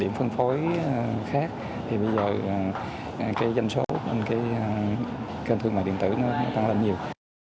điểm phân phối khác thì bây giờ danh số trên kênh thương mại điện tử nó tăng lên nhiều